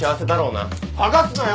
剥がすなよ！